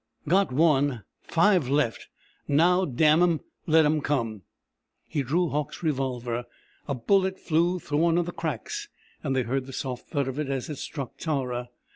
"Got one. Five left. Now damn 'em let then come!" He drew Hauck's revolver. A bullet flew through one of the cracks, and they heard the soft thud of it as it struck Tara.